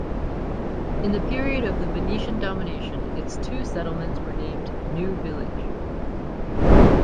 In the period of the Venetian domination its two settlements were named "New Village".